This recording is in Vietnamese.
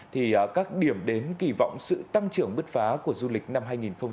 thì các điểm đến kỳ vọng sự tăng trưởng bứt phá của du lịch năm hai nghìn hai mươi bốn